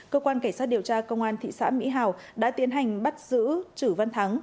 cơ quan cảnh sát điều tra công an thị xã mỹ hào đã tiến hành bắt giữ chử văn thắng